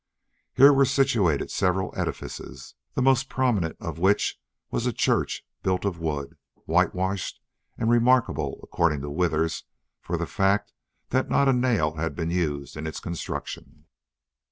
Here were situated several edifices, the most prominent of which was a church built of wood, whitewashed, and remarkable, according to Withers, for the fact that not a nail had been used in its construction.